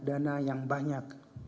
itu kira kira informasi yang bisa saya jawab